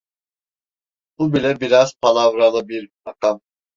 Bu bile biraz palavralı bir rakam.